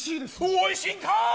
おいしいんかい。